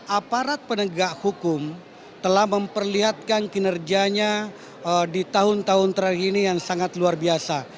aparat penegak hukum telah memperlihatkan kinerjanya di tahun tahun terakhir ini yang sangat luar biasa